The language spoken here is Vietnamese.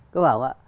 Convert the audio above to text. tôi bảo ạ